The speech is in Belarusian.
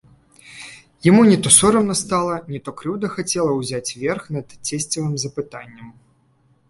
Яму не то сорамна стала, не то крыўда хацела ўзяць верх над цесцевым запытаннем.